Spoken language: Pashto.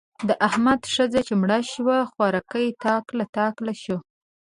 د احمد ښځه چې مړه شوه؛ خوارکی تاک له تاکه شو.